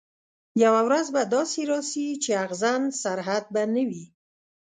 یوه ورځ به داسي راسي چي اغزن سرحد به نه وي